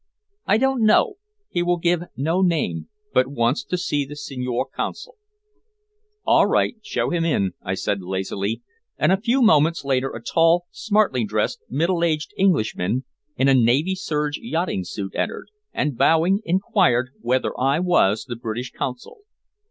"I don't know him. He will give no name, but wants to see the Signor Console." "All right, show him in," I said lazily, and a few moments later a tall, smartly dressed, middle aged Englishman, in a navy serge yachting suit, entered, and bowing, enquired whether I was the British Consul.